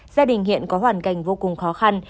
gia đình hiện có hoàn cảnh vô cùng khó khăn